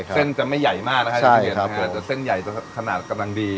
เส้นจะไม่ใหญ่มากนะครับเชี่ยนะครับด้วยเส้นใหญ่สนับสนามดี